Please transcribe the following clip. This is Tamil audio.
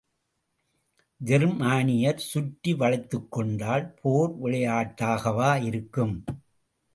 ஜெர்மானியர் சுற்றி வளைத்துக்கொண்டால் போர் விளையாட்டாகவா இருக்கும்?